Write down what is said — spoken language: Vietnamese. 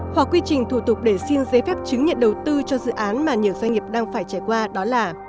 hoặc quy trình thủ tục để xin giấy phép chứng nhận đầu tư cho dự án mà nhiều doanh nghiệp đang phải trải qua đó là